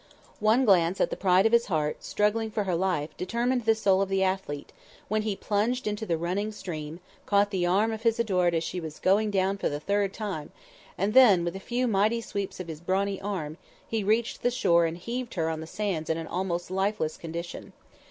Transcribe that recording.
One glance at the pride of his heart struggling for her life determined the soul of the athlete, when he plunged into the running stream, caught the arm of his adored as she was going down for the third time, and then with a few mighty sweeps of his brawny arm, he reached the shore and heaved her on the sands in an almost lifeless condition.